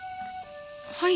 はい。